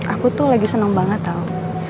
aku tuh lagi seneng banget tau